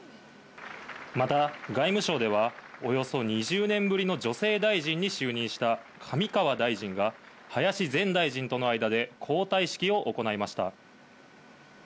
また、外務省では、およそ２０年ぶりの女性大臣に就任した上川大臣が、林前大臣との間で交代式を行いました。